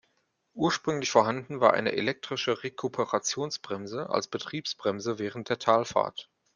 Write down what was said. Ursprünglich vorhanden war eine elektrische Rekuperationsbremse als Betriebsbremse während der Talfahrt.